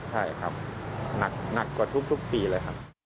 ใช่ครับหนักกว่าทุกปีเลยครับ